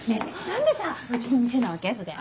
何でさうちの店なわけ？